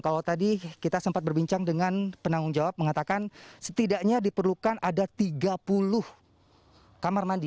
kalau tadi kita sempat berbincang dengan penanggung jawab mengatakan setidaknya diperlukan ada tiga puluh kamar mandi